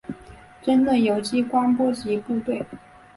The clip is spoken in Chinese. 争论由机关波及部队。